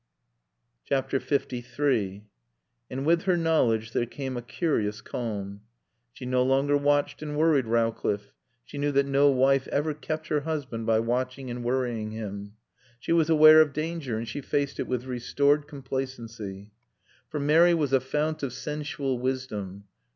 LIII And with her knowledge there came a curious calm. She no longer watched and worried Rowcliffe. She knew that no wife ever kept her husband by watching and worrying him. She was aware of danger and she faced it with restored complacency. For Mary was a fount of sensual wisdom.